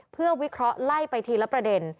เพื่อวิเคราะห์ไล่ไปทีละประเด็น